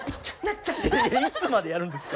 いつまでやるんですか。